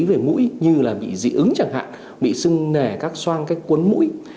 vì mũi như là bị dị ứng chẳng hạn bị sưng nề các xoang các cuốn mũi